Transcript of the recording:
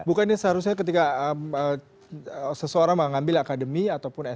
bukannya seharusnya ketika seseorang mengambil akademi ataupun smk tadi